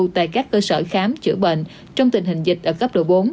tại các cơ sở khám chữa bệnh trong tình hình dịch ở cấp độ bốn